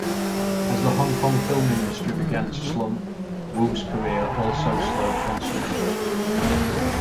As the Hong Kong film industry began to slump, Wu's career also slowed considerably.